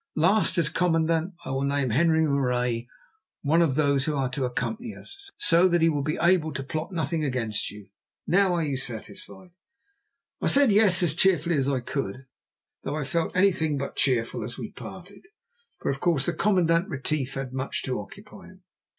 Lastly, as commandant, I will name Henri Marais as one of those who are to accompany us, so that he will be able to plot nothing against you. Now are you satisfied?" I said "Yes" as cheerfully as I could, though I felt anything but cheerful, and we parted, for, of course, the Commandant Retief had much to occupy him.